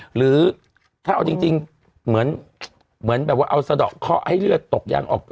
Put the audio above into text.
หรือถ้าเอาจริงเหมือนแบบว่าเอาสะดอกเคาะให้เลือดตกยังออก